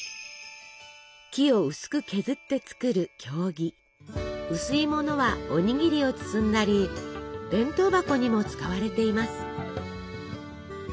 木を薄く削って作る薄いものはおにぎりを包んだり弁当箱にも使われています。